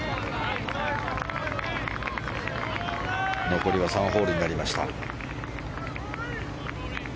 残りは３ホールになりました。